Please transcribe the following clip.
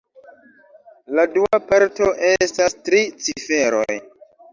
La dua parto estas tri ciferoj.